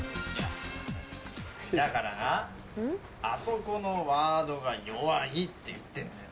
だからなあそこのワードが弱いって言ってんだよ。